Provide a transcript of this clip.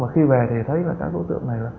khi về thì thấy đối tượng này